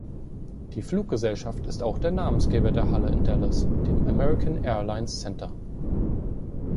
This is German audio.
Die Fluggesellschaft ist auch der Namensgeber der Halle in Dallas, dem American Airlines Center.